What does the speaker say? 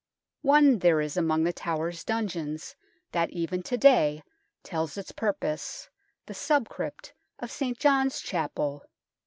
One there is among The Tower's dungeons that even to day tells its purpose, the sub crypt of St. John's Chapel.